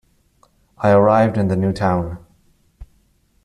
I arrived in the new town.